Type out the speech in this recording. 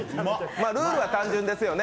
ルールは単純ですよね。